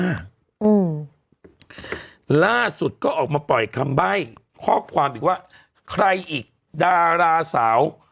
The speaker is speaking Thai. อืมล่าสุดก็ออกมาปล่อยคำใบ้ข้อความอีกว่าใครอีกดาราสาว